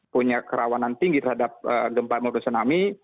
punya kerawanan tinggi terhadap gempa maupun tsunami